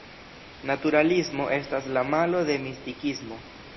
Naturalismo estas la malo de Mistikismo.